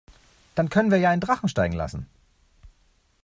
Dann können wir ja einen Drachen steigen lassen.